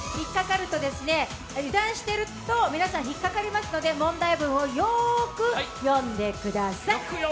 油断してると皆さん引っかかりますので問題文をよく読んでください。